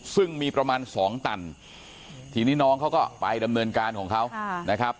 ซึ่งมีประมาณสองตันทีนี้น้องเขาก็ไปดำเนินการของเขานะครับ